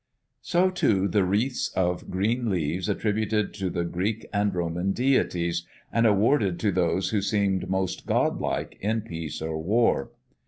So, too, the wreaths of green leaves attributed to the Greek and Roman deities, and awarded to those who seemed most godlike, in peace or war.